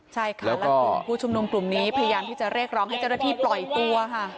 ใช่ค่ะและกลุ่มผู้ชุมนุมกลุ่มนี้พยายามที่จะเรียกร้องให้เจ้าหน้าที่ปล่อยตัวค่ะ